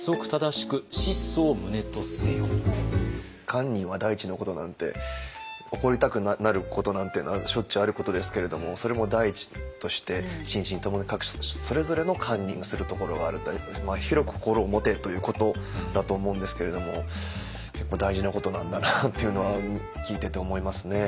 「堪忍は第一のこと」なんて怒りたくなることなんていうのはしょっちゅうあることですけれどもそれも第一として心身ともに各種それぞれの堪忍をするところがあるという広く心を持てということだと思うんですけれども結構大事なことなんだなっていうのは聞いてて思いますね。